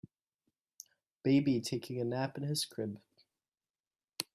Baby taking a nap in his crib.